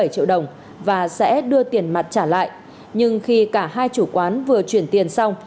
bảy triệu đồng và sẽ đưa tiền mặt trả lại nhưng khi cả hai chủ quán vừa chuyển tiền xong